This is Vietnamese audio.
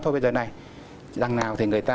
thôi bây giờ này rằng nào thì người ta